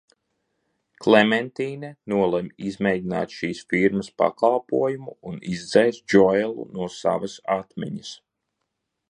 Klementīne nolemj izmēģināt šīs firmas pakalpojumu un izdzēst Džoelu no savas atmiņas.